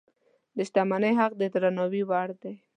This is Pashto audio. د شتمنۍ حق د درناوي وړ دی.